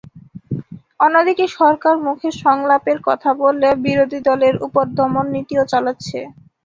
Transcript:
অন্যদিকে সরকার মুখে সংলাপের কথা বললেও বিরোধী দলের ওপর দমননীতিও চালাচ্ছে।